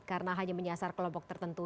karena hanya menyasar kelompok tertentu